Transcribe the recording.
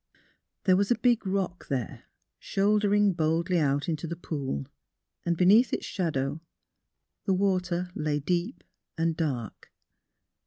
There was a big rock there, shouldering boldly out into the pool, and beneath its shadow the water lay deep and dark.